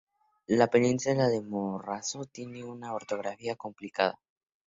La península del Morrazo tiene una orografía complicada.